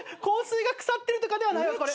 香水が腐ってるとかではないわ。